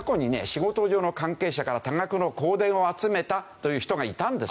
仕事上の関係者から多額の香典を集めたという人がいたんですよ。